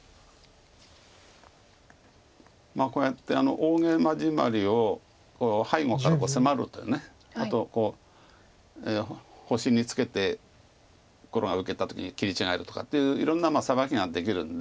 こうやって大ゲイマジマリを背後から迫る手あと星にツケて黒が受けた時に切り違えるとかっていういろんなサバキができるんで。